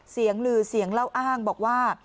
เสียงลือเสียงเล่าอ้างบอกว่า